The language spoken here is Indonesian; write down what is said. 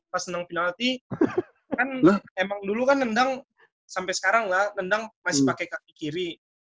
pas nendang penalti kan emang dulu kan nendang sampai sekarang lah nendang masih pakai kaki kiri